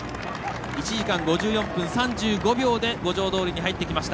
１時間５４分３４秒で五条通に入ってきました。